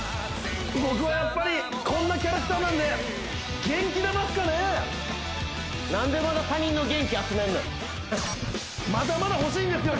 僕はやっぱりこんなキャラクターなんで元気玉っすかねなんでまだ他人の元気集めんねんまだまだ欲しいんですよ